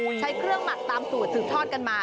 ใช้เครื่องหมักตามสูตรสืบทอดกันมา